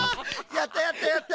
やったやったやった。